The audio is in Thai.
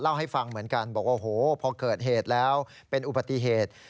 เล่าให้ฟังเหมือนกันบอกว่าโอ้โหพอเกิดเหตุแล้วเป็นอุบัติเหตุ